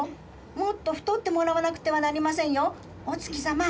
もっとふとってもらわなくてはなりませんよ、お月さま。